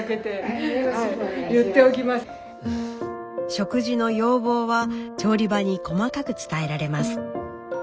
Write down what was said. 食事の要望は調理場に細かく伝えられます。